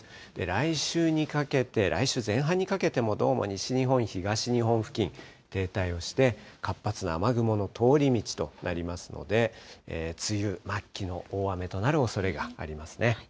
来週にかけて、来週前半にかけても、どうも西日本、東日本付近、停滞をして、活発な雨雲の通り道となりますので、梅雨末期の大雨となるおそれがありますね。